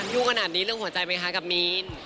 ยุ่งขนาดนี้เรื่องหัวใจไหมคะกับมีน